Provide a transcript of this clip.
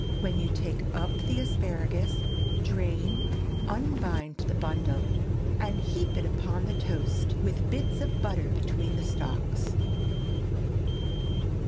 When you take up the asparagus, drain, unbind the bundle, and heap it upon the toast, with bits of butter between the stalks.